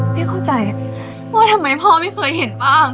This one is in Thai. พี่เข้าใจว่าทำไมพ่อไม่เคยเห็นบ้าง